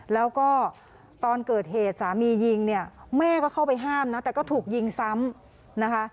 แล้วก็ตอนเกิดเหตุสามียิงเนี่ยแม่ก็เข้าไปห้ามนะแต่ก็ถูกยิงซ้ำนะคะ